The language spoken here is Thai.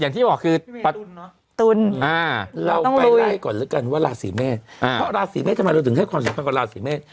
ตุลเราไปไลฟ์ก่อนแล้วกันว่าราศีเมษเพราะราศีเมษทำไมเราถึงให้ความสุขกับราศีเมษ